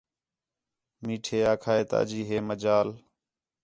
میٹھے آکھا ہِے تا جی ہے مجال